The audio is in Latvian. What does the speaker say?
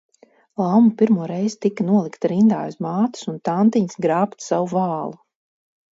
Lauma pirmo reizi tika nolikta rindā aiz mātes un tantiņas grābt savu vālu.